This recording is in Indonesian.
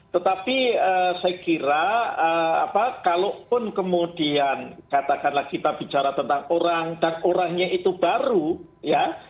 tetapi saya kira kalaupun kemudian katakanlah kita bicara tentang orang dan orangnya itu baru ya